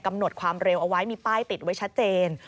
กำหนดความเร็วเอาไว้มีป้ายติดไว้ชัดเจน